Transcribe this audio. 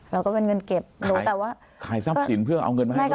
เราก็เป็นเงินเก็บขายทรัพย์สินเพื่อเอาเงินมาให้เขาด้วย